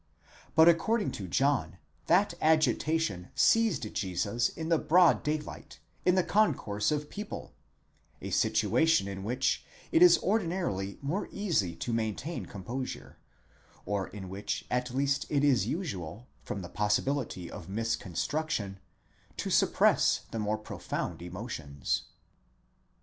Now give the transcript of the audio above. But according to John that agitation seized Jesus in the broad daylight, in a concourse of people; a situation in which it is ordinarily more easy to maintain composure, or in which at least it is usual, from the possibility of misconstruction, to suppress the more pro found emotions.